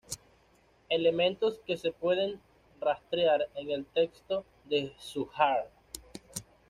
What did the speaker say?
Elementos que se pueden rastrear en el texto de Zújar.